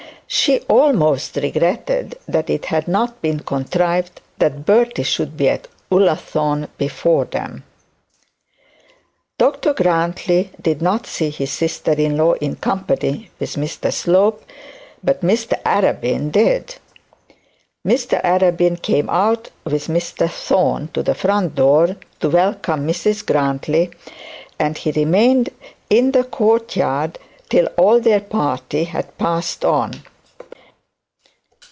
She almost regretted that it had not been contrived that Bertie should be at Ullathorne before them. Dr Grantly did not see his sister in law in company with Mr Slope, but Mr Arabin did. Mr Arabin came out with Mr Thorne to the front door to welcome Mrs Grantly, and he remained in the courtyard till all their party had passed on.